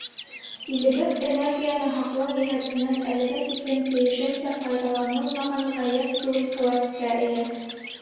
Илебеҙ энергияны һаҡлау йәһәтенән әлегә тиклем тейешенсә файҙаланылмаған ғәйәт ҙур ҡеүәткә эйә.